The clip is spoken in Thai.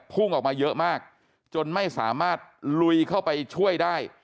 พุ่งออกมาเยอะมากจนไม่สามารถลุยเข้าไปช่วยได้